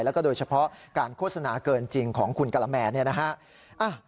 แล้วก็โดยเฉพาะการโฆษณาเกินจริงของคุณกะละแมเนี่ยนะฮะ